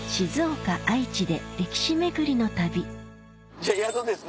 じゃあ宿ですね。